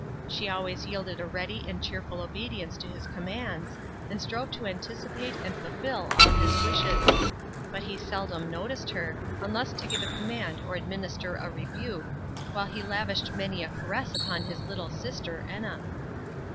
She always yielded a ready and cheerful obedience to his commands, and strove to anticipate and fulfil all his wishes. But he seldom noticed her, unless to give a command or administer a rebuke, while he lavished many a caress upon his little sister, Enna.